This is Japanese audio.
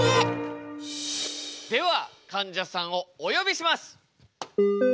ではかんじゃさんをおよびします。